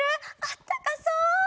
あったかそう！